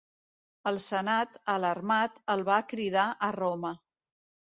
El senat, alarmat, el va cridar a Roma.